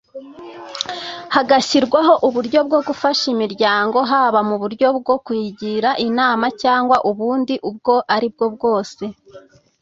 hagashyirwaho uburyo bwo gufasha imiryango haba mu buryo bwo kuyigira inama cyangwa ubundi ubwo aribwo bwose